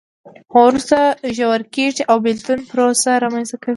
خو وروسته ژور کېږي او بېلتون پروسه رامنځته کوي.